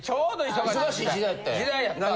忙しい時代やったんや。